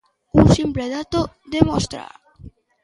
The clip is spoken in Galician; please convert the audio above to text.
Un simple dato de mostra.